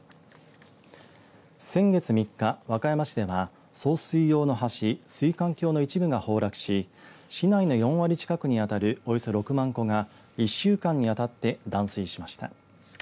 先月３日、和歌山市では送水用の橋水管橋の一部が崩落し市内の４割近くにあたるおよそ６万戸が１週間にわたって断水しました。